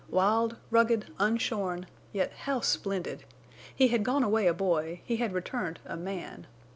Wild, rugged, unshorn—yet how splendid! He had gone away a boy—he had returned a man.